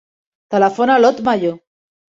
Telefona a l'Ot Mallo.